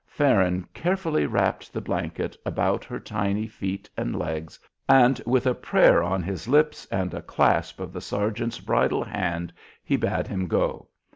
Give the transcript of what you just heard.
Farron carefully wrapped the blanket about her tiny feet and legs, and with a prayer on his lips and a clasp of the sergeant's bridle hand he bade him go.